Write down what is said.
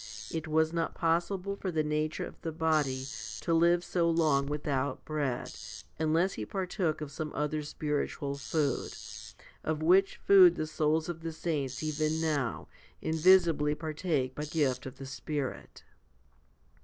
2 It was not possible for the nature of the body to live so long without bread, unless he partook of some other spiritual food ; of which food the souls of the saints even now . invisibly partake by gift of the Spirit.